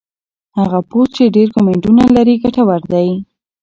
هغه پوسټ چې ډېر کمنټونه لري ګټور دی.